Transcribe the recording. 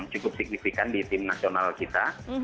cukup signifikan di tim nasional kita